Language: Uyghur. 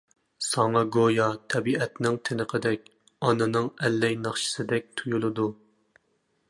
ساڭا گويا تەبىئەتنىڭ تىنىقىدەك، ئانىنىڭ ئەللەي ناخشىسىدەك تۇيۇلىدۇ.